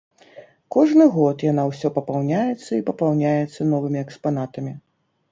Кожны год яна ўсё папаўняецца і папаўняецца новымі экспанатамі.